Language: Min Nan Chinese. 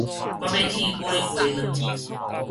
我欲去買雞卵